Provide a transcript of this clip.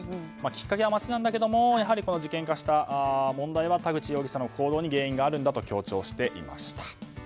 きっかけは、町なんだけれども事件化した問題は田口容疑者の行動に原因があるんだと強調していました。